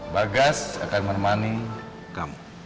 bagas akan menemani kamu